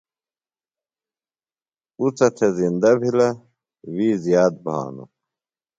اُڅہ تھےۡ زندہ بِھلہ، وِی زِیات بھانوۡ